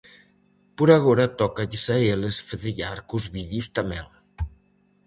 Por agora tócalles a eles fedellar cos vídeos tamén.